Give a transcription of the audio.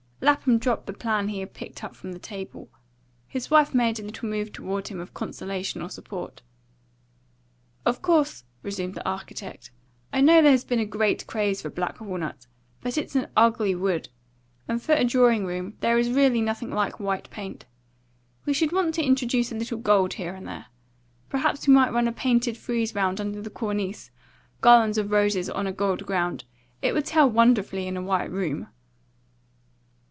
Lapham dropped the plan he had picked up from the table. His wife made a little move toward him of consolation or support. "Of course," resumed the architect, "I know there has been a great craze for black walnut. But it's an ugly wood; and for a drawing room there is really nothing like white paint. We should want to introduce a little gold here and there. Perhaps we might run a painted frieze round under the cornice garlands of roses on a gold ground; it would tell wonderfully in a white room."